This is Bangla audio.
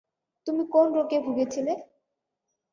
তুমি কোন রোগে ভুগছিলে?